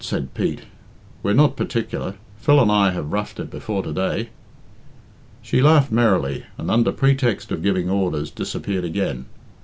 said Pete; "we're not particular. Phil and I have roughed it before to day." She laughed merrily, and, under pretext of giving orders, disappeared again.